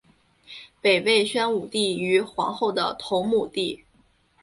北魏宣武帝于皇后的同母弟。